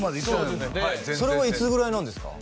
全然それはいつぐらいなんですか？